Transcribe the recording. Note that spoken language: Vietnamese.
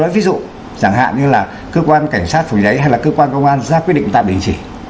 ví dụ như là cơ quan cảnh sát phòng chế hay là cơ quan công an ra quyết định tạm đình chỉ